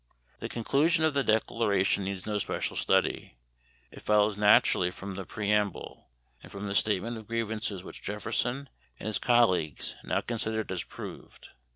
The conclusion of the Declaration needs no special study. It follows naturally from the preamble, and from the statement of grievances which Jefferson and his colleagues now considered as proved.